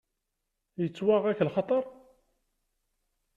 Yettwaɣ-ak lxaṭer?